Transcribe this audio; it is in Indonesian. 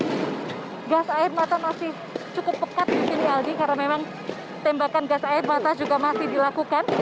ini gas air mata masih cukup pekat di sini aldi karena memang tembakan gas air mata juga masih dilakukan